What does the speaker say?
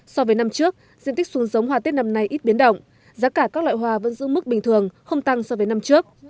so với năm trước diện tích xuống giống hoa tết năm nay ít biến động giá cả các loại hoa vẫn giữ mức bình thường không tăng so với năm trước